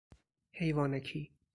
حیوانکی!